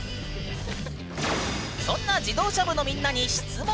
そんな自動車部のみんなに質問。